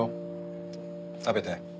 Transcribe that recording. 食べて。